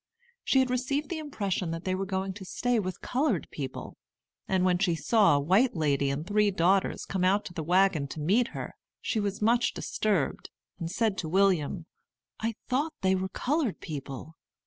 She had received the impression that they were going to stay with colored people; and when she saw a white lady and three daughters come out to the wagon to meet her, she was much disturbed, and said to William, "I thought they were colored people."